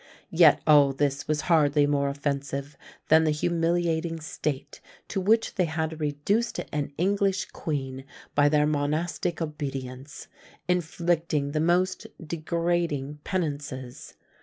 Yet all this was hardly more offensive than the humiliating state to which they had reduced an English queen by their monastic obedience: inflicting the most degrading penances.